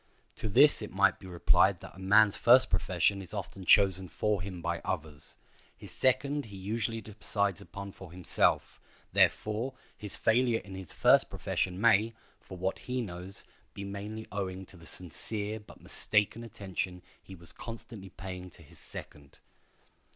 To this it might be replied that a man's first profession is often chosen for him by others; his second he usually decides upon for himself; therefore, his failure in his first profession may, for what he knows, be mainly owing to the sincere but mistaken attention he was constantly paying to his second.